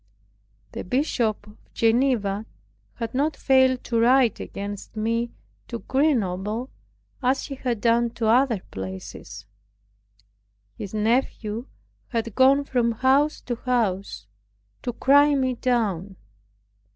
The Bishop of Geneva had not failed to write against me to Grenoble, as he had done to other places. His nephew had gone from house to house to cry me down.